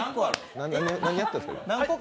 何やってるんですか？